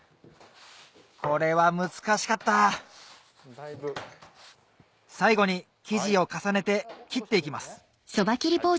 これは難しかった最後に生地を重ねて切っていきます